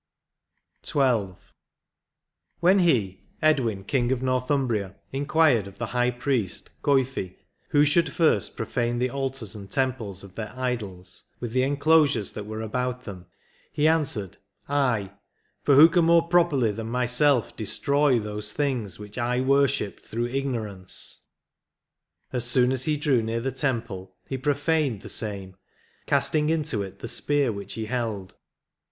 24 XII. " When he (Edwin, King of Northumbria) in quired of the high priest (Coifi) who should first profane the altars and temples of their idols, with the enclosures that were about them, he answered, 'I; for who can more properly than myself destroy those things which I worshipped through ignor ance?' ... As soon as he drew near the temple he profaned the same, casting into it the spear which he held